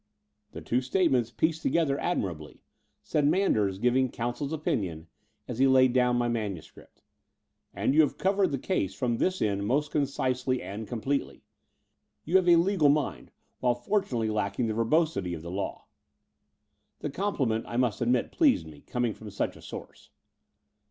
"The two statements piece together admirably," said Manders, giving counsel's opinion, as he laid down my manuscript: "and you have covered the case from this end most concisely and completely. You have a legal mind, while fortunately lacking the verbosity of the law." The compliment I must admit pleased me, com ing from such a soturce.